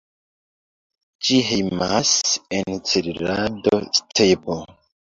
Ĝi hejmas en Cerrado-stepo.